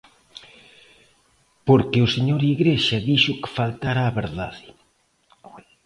Porque o señor Igrexa dixo que faltara á verdade.